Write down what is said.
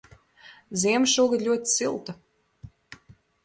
Ziema šogad ļoti silta.